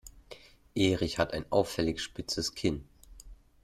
Erich hat ein auffällig spitzes Kinn.